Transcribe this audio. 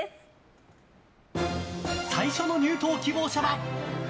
最初の入党希望者は。